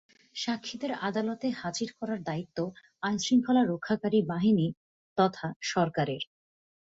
সাক্ষীদের আদালতে হাজির করার দায়িত্ব আইনশৃঙ্খলা রক্ষাকারী বাহিনী তথা সরকারের।